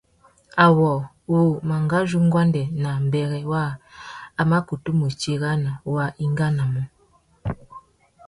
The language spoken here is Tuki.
Awô wu mangazu nguêndê nà mbêrê waā a mà kutu mù chirana wá ingānamú.